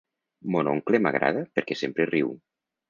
Mon oncle m'agrada perquè sempre riu.